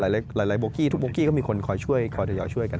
หลายโบกี้ทุกโบกี้ก็มีคนคอยช่วยคอยทยอยช่วยกัน